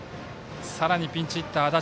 さらにピンチヒッター、安達。